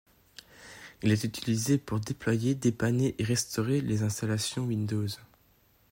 Il est utilisé pour déployer, dépanner et restaurer les installations Windows.